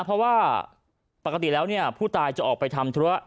เพราะว่าปกติแล้วเนี่ยผู้ตายจะออกไปทำธุระ